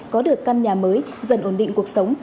có được căn nhà mới dần ổn định cuộc sống